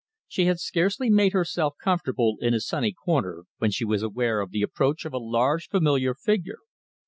She had scarcely made herself comfortable in a sunny corner when she was aware of the approach of a large, familiar figure.